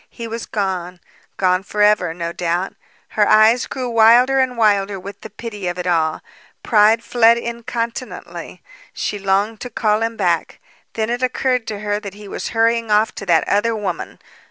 He was gone. Gone forever, no doubt. Her eyes grew wilder and wilder with the pity of it all. Pride fled incontinently. She longed to call him back. Then it occurred to her that he was hurrying off to that other woman.